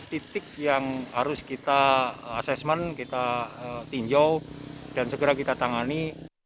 tiga belas titik yang harus kita assessment kita tinjau dan segera kita tangani